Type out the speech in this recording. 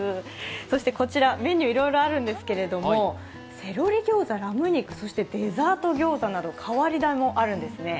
そしてこちら、メニューいろいろあるんですが、セロリ餃子、ラム肉、そしてデザート餃子など変わり種もあるんですね。